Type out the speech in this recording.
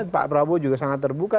pak prabowo juga sangat terbuka